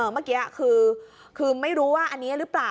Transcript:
เมื่อกี้คือไม่รู้ว่าอันนี้หรือเปล่า